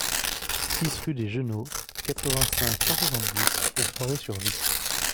six rue des Genôts, quatre-vingt-cinq, cent soixante-dix au Poiré-sur-Vie